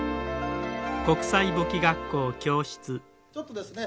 ちょっとですね